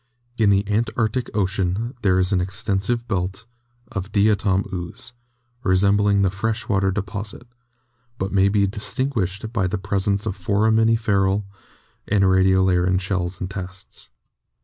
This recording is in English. In the Antarctic Ocean there is an extensive belt of Diatom ooze, resembling the fresh water deposit, but may be distinguished by the presence of foraminiferal and radiolarian shells and tests.